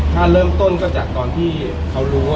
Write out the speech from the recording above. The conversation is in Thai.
ถ้าเริ่มต้นก็จากตอนที่เขารู้ว่า